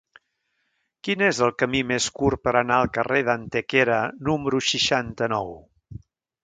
Quin és el camí més curt per anar al carrer d'Antequera número seixanta-nou?